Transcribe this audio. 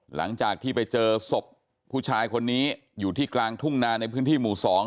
หลังจากที่ไปเจอศพผู้ชายคนนี้อยู่ที่กลางทุ่งนาในพื้นที่หมู่๒